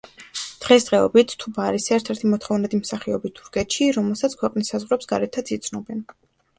დღესდღეობით თუბა არის ერთ-ერთი მოთხოვნადი მსახიობი თურქეთში, რომელსაც ქვეყნის საზღვრებს გარეთაც იცნობენ.